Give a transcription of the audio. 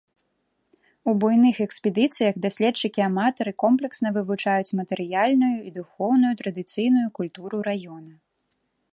У буйных экспедыцыях даследчыкі-аматары комплексна вывучаюць матэрыяльную і духоўную традыцыйную культуру раёна.